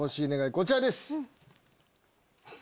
こちらです！